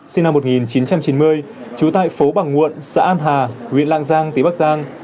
sinh năm một nghìn chín trăm chín mươi trú tại phố bằng nguộn xã an hà huyện lạng giang tỉnh bắc giang